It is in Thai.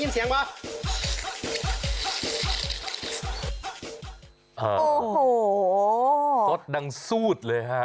สดดังสู้ดเลยค่ะ